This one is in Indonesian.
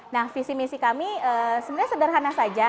nah visi misi kami sebenarnya sederhana saja